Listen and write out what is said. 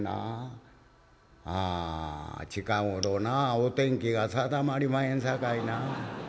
「あ近頃なぁお天気が定まりまへんさかいな」。